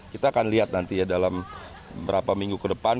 kita akan lihat nanti ya dalam beberapa minggu ke depan